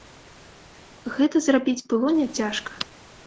Гэта зрабіць было няцяжка.